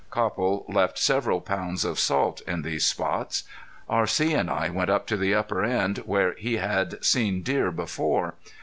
Copple left several pounds of salt in these spots. R.C. and I went up to the upper end where he had seen deer before.